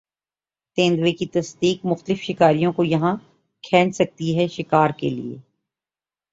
تیندوے کی تصدیق مختلف شکاریوں کو یہاں کھینچ سکتی ہے شکار کے لیے